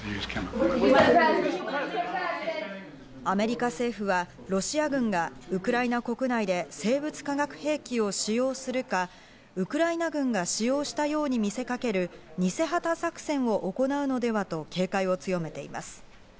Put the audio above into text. アメリカ政府は、ロシア軍がウクライナ国内で生物化学兵器を使用するか、ウクライナ軍が使用したように見せかける偽旗作戦を行うのではと、警戒を強めています。